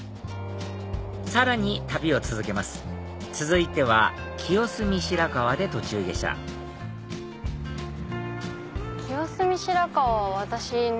さらに旅を続けます続いては清澄白河で途中下車清澄白河は私ね